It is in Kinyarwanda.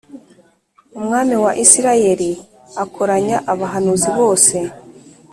Umwami wa Isirayeli akoranya abahanuzi bose